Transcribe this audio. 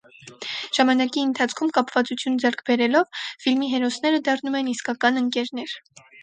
Ժամանակի ընթացքում կապվածություն ձեռք բերելով՝ ֆիլմի հերոսները դառնում են իսկական ընկերներ։